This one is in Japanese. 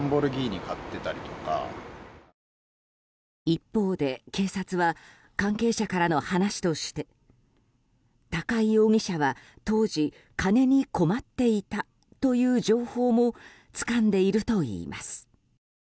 一方で警察は関係者からの話として高井容疑者は当時金に困っていたという情報もつかんでいるといいます。